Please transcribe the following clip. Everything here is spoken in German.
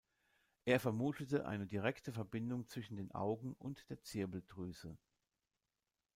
Er vermutete eine direkte Verbindung zwischen den Augen und der Zirbeldrüse.